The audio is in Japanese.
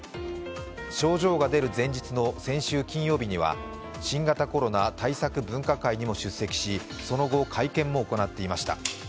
症状が出る前日の先週金曜日には新型コロナ対策分科会にも出席し、その後会見も行っていました。